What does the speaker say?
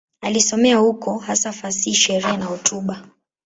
Alisomea huko, hasa fasihi, sheria na hotuba.